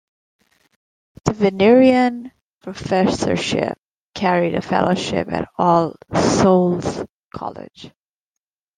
The Vinerian Professorship carried a Fellowship at All Souls College.